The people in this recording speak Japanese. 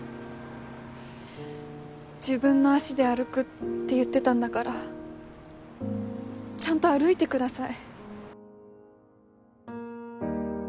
自分の足で歩くって言ってたんだからちゃんと歩いてください